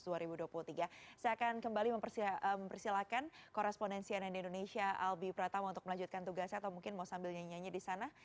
saya akan kembali mempersilahkan korespondensi ann indonesia albi pratama untuk melanjutkan tugasnya atau mungkin mau sambil nyanyi nyanyi di sana